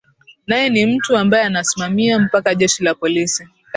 nae ni mtu ambae anasimamia mpaka jeshi la polisi